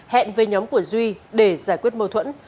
hẹn với nhóm của duy để giải quyết mâu thuẫn